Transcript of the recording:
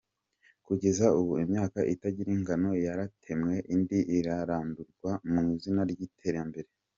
Kugeza ubu imyaka itagira ingano yaratemwe indi irarandurwa mu izina ry’iterambere.